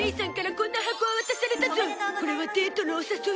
これはデートのお誘い？